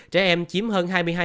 trẻ em chiếm hơn hai mươi hai